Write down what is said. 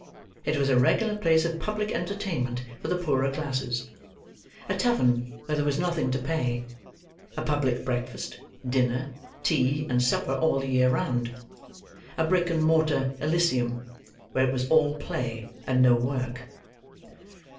It was a regular place of public entertainment for the poorer classes; a tavern where there was nothing to pay; a public breakfast, dinner, tea, and supper all the year round; a brick and mortar elysium, where it was all play and no work.